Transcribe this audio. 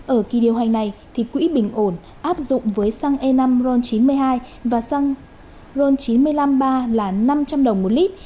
ở kỳ điều hành này thì quỹ bình ổn áp dụng với xăng e năm ron chín mươi hai và xăng ron chín trăm năm mươi ba là năm trăm linh đồng một lít